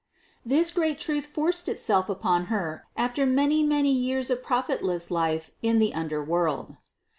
This great truth forced itself upon her after many, many years of profitless life in the Under world.